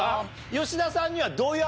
吉田さんには。